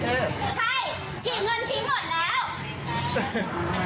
ใช่ฉีกเงินทิ้งหมดแล้ว